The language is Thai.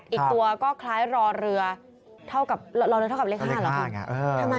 อีกตัวก็คล้ายรอเรือเท่ากับรอเรือเท่ากับเลข๕เหรอคะ